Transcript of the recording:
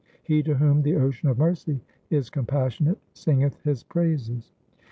He to whom the Ocean of mercy is compassionate, singeth His praises.